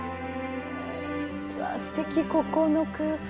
すてきここの空間。